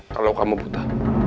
kalau kamu buta